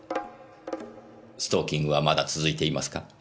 ストーキングはまだ続いていますか？